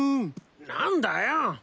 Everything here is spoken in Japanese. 何だよ！